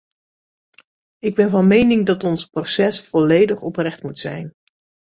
Ik ben van mening dat ons proces volledig oprecht moet zijn.